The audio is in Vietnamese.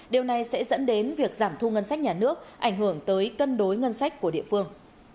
điều này sẽ dẫn đến việc giảm thu ngân sách nhà nước ảnh hưởng tới cân đối ngân sách của địa phương